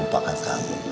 bapak kan kamu